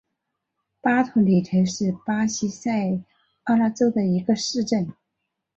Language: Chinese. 巴图里特是巴西塞阿拉州的一个市镇。